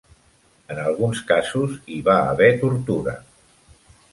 En alguns casos hi va haver tortura.